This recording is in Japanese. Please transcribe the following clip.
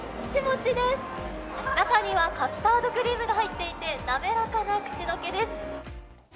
中にはカスタードクリームが入っていて、滑らかな口どけです。